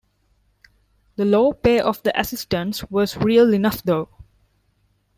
The low pay of the assistants was real enough, though.